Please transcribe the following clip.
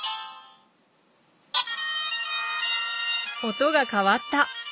音が変わった！